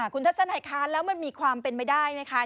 คุณทัศนัยคะแล้วมันมีความเป็นไปได้ไหมคะ